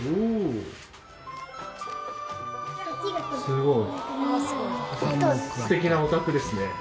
すごい。